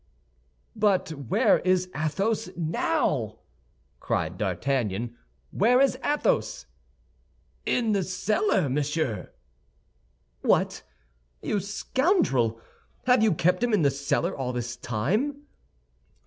"But where is Athos now?" cried D'Artagnan. "Where is Athos?" "In the cellar, monsieur." "What, you scoundrel! Have you kept him in the cellar all this time?"